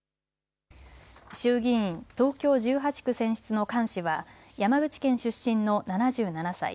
衆議院東京１８区選出の菅氏は山口県出身の７７歳。